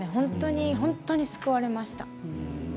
本当に救われました。